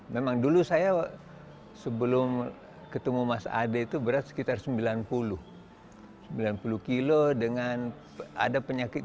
memang dulu saya sebelum ketemu mas ade itu berat sekitar sembilan puluh sembilan puluh kilo dengan ada penyakit